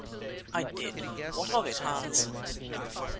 "I did. What of it, Hans?"